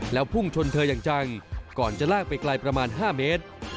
แล้วพุ่งชนเธออย่างจังก่อนจะลากไปไกลประมาณ๕เมตร